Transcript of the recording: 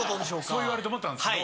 そう言われると思ったんですけど。